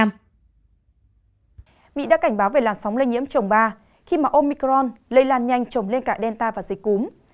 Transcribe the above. mỹ đã cảnh báo về lợi ích của vaccine sinopharm